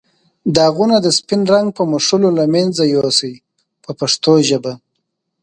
داغونه د سپین رنګ په مښلو له منځه یو سئ په پښتو ژبه.